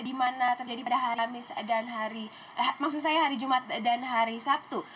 di mana terjadi pada hari jumat dan hari sabtu